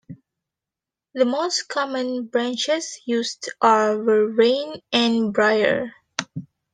The most common branches used are Vervain and Briar.